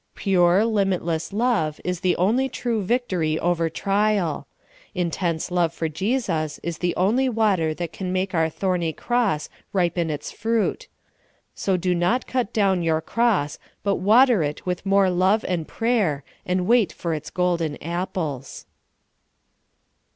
Pure, limitless love is the only true victory over trial. Intense love for Jesus is the only water that can make our thorny cross ripen its fruit ; so do not cut down 3^our cross, but water it with more love and prayer, and wait for its golden apples.